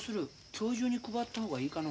今日中に配った方がいいかの？